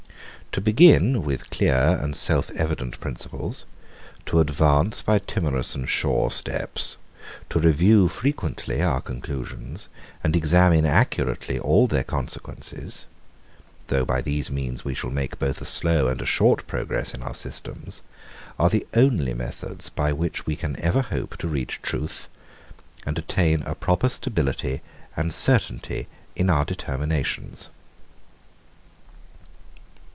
To begin with clear and self evident principles, to advance by timorous and sure steps, to review frequently our conclusions, and examine accurately all their consequences; though by these means we shall make both a slow and a short progress in our systems; are the only methods, by which we can ever hope to reach truth, and attain a proper stability and certainty in our determinations.